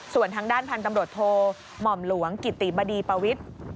ส่วนทางด้านพันธุ์ตำรวจโทหม่อมหลวงกิติบดีปวิทย์